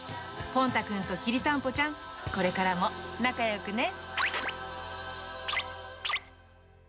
ぽん太くんときりたんぽちゃん、これからも仲よくね。